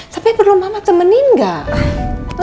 tapi perlu mama temenin nggak